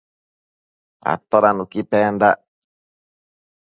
Atoda nuqui pendac?